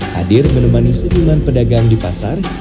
hadir menemani seniman pedagang di pasar